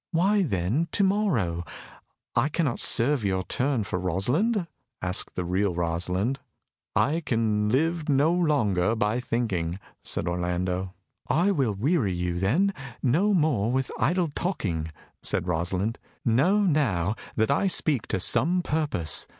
"Why, then, to morrow I cannot serve your turn for Rosalind?" asked the real Rosalind. "I can live no longer by thinking," said Orlando. "I will weary you, then, no more with idle talking," said Rosalind. "Know now that I speak to some purpose.